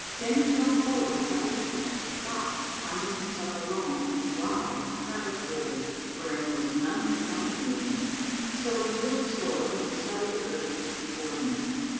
Then he walked forward a couple of steps and stopped finding himself alone in a wild and perilous wold wherein was none to company with him, so he wept sore and recited the verses before mentioned.